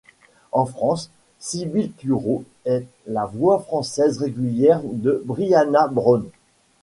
En France, Sybille Tureau est la voix française régulière de Brianna Brown.